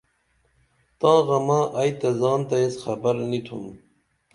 تاں غمہ ائی تہ زان تہ ایس خبر نی تِھنُم